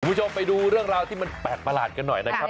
คุณผู้ชมไปดูเรื่องราวที่มันแปลกประหลาดกันหน่อยนะครับ